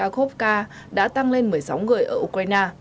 nova kakhovka đã tăng lên một mươi sáu người ở ukraine